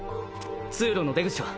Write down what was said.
通路の出口は？